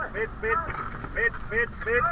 ปิดปิดปิดปิดปิด